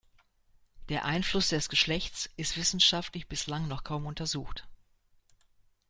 Der Einfluss des Geschlechts ist wissenschaftlich bislang noch kaum untersucht.